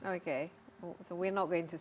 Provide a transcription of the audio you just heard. jadi kita tidak akan melihat